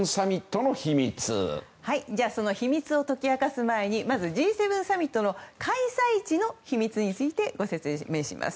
その秘密を解き明かす前にまずＧ７サミットの開催地の秘密についてご説明します。